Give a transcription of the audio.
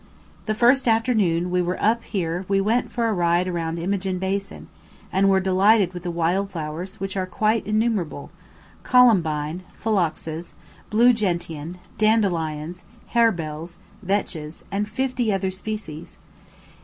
The first afternoon we were up here we went for a ride round Imogene basin, and were delighted with the wild flowers, which are quite innumerable columbine, phloxes, blue gentian, dandelions, harebells, vetches, and fifty other species.